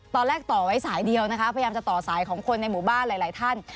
ต่อไว้สายเดียวนะคะพยายามจะต่อสายของคนในหมู่บ้านหลายท่าน